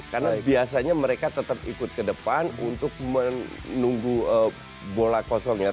karena biasanya mereka tetap ikut ke depan untuk menunggu bola kosongnya